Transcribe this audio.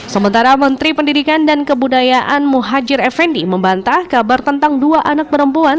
sementara menteri pendidikan dan kebudayaan muhajir effendi membantah kabar tentang dua anak perempuan